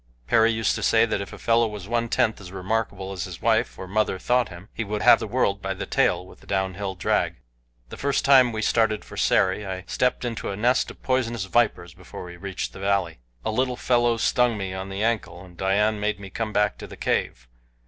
Perry used to say that if a fellow was one tenth as remarkable as his wife or mother thought him, he would have the world by the tail with a down hill drag. The first time we started for Sari I stepped into a nest of poisonous vipers before we reached the valley. A little fellow stung me on the ankle, and Dian made me come back to the cave.